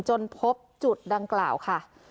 จนพบจุดดังกล่าวค่ะ